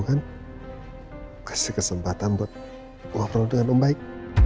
udana udana mau kan kasih kesempatan buat ngobrol dengan om baik